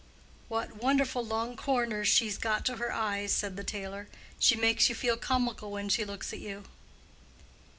"What wonderful long corners she's got to her eyes!" said the tailor. "She makes you feel comical when she looks at you."